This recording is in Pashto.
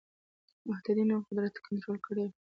متحدینو قدرت کنټرول کړی وای.